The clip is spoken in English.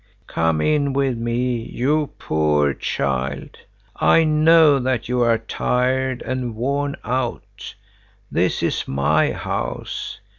"Come in with me, you poor child! I know that you are tired and worn out. This is my house.